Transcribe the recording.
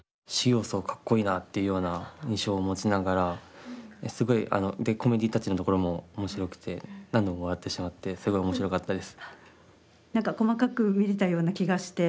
というような印象を持ちながらすごいコメディータッチのところも面白くて何度も笑ってしまってすごい面白かったです。